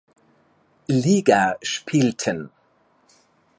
Liga spielten.